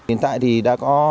điện tại thì đã có